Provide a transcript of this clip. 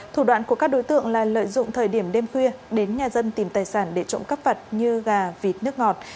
thủ đoạn của các đối tượng là lợi dụng thời điểm đêm khuya đến nhà dân tìm tài sản để trộm cắp vặt như gà vịt nước ngọt